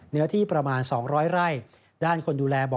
เนื้อที่ประมาณ๒๐๐ไร่ด้านคนดูแลบ่อ